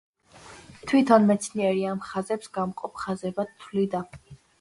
თვითონ მეცნიერი ამ ხაზებს გამყოფ ხაზებად თვლიდა.